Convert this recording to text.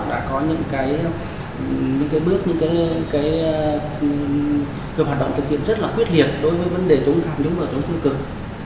đã có những bước những hoạt động thực hiện rất là quyết liệt đối với vấn đề chống tham nhũng và chống không cực